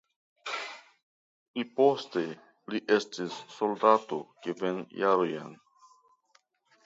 Pli poste li estis soldato kvin jarojn.